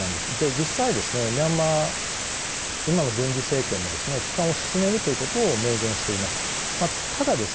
実際ですね、ミャンマー今の軍事政権も帰還を進めるということを明言しています。